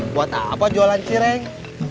buat apa jualan cireng